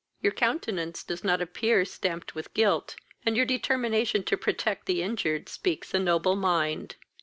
Your countenance does not appear stamped with guilt, and your determination to protect the injured speaks a noble mind."